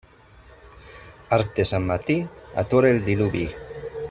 Arc de Sant Martí atura el diluvi.